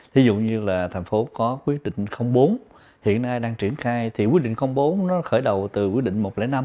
thí dụ như là thành phố có quyết định bốn hiện nay đang triển khai thì quyết định bốn nó khởi đầu từ quy định một trăm linh năm